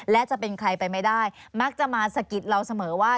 และจะเป็นใครไปไม่ได้มักจะมาสะกิดเราเสมอว่า